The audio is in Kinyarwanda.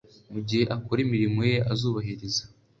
mu gihe akora imirimo ye azubahiriza